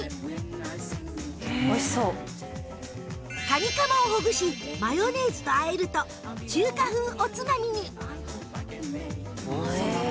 カニカマをほぐしマヨネーズと和えると中華風おつまみに！へえ